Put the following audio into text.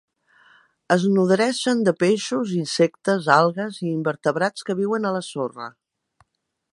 Es nodreixen de peixos, insectes, algues i invertebrats que viuen a la sorra.